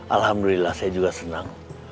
alhamdulillah saya juga senang